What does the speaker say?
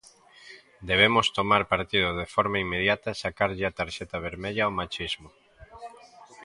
Debemos tomar partido de forma inmediata e sacarlle a tarxeta vermella ao machismo.